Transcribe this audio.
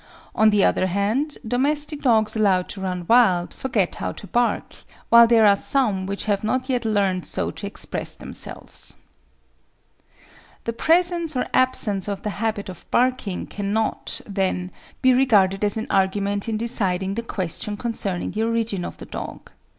On the other hand, domestic dogs allowed to run wild forget how to bark, while there are some which have not yet learned so to express themselves. The presence or absence of the habit of barking cannot, then, be regarded as an argument in deciding the question concerning the origin of the dog.